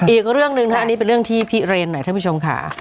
อีกเรื่องหนึ่งนะอันนี้เป็นเรื่องที่พิเรนหน่อยท่านผู้ชมค่ะ